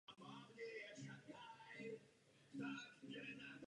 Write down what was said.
Pro různé interprety rovněž psal písně.